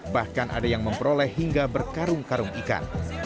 bahkan ada yang memperoleh hingga berkarung karung ikan